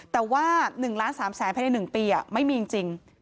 แต่ว่า๑๓๐๐๐๐๐ภายในหนึ่งปีอะไม่มีจริง